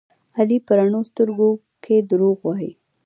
علي په رڼو سترګو کې دروغ وایي.